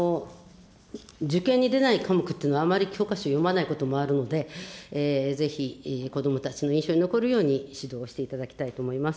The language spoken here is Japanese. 受験に出ない科目というのは、あまり教科書読まないこともあるので、ぜひ子どもたちの印象に残るように指導していただきたいと思います。